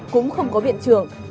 cũng không có viện trường